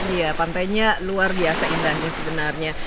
iya pantainya luar biasa indahnya sebenarnya